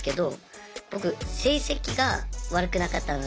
僕成績が悪くなかったので。